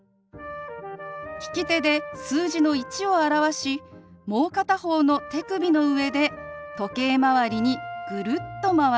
利き手で数字の１を表しもう片方の手首の上で時計まわりにグルッとまわします。